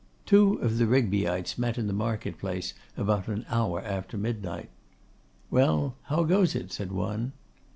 Two of the Rigbyites met in the market place about an hour after midnight. 'Well, how goes it?' said one.